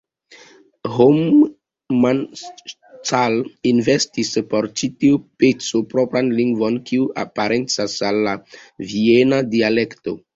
Hofmannsthal inventis por ĉi tiu peco propran lingvon, kiu parencas al la viena dialekto.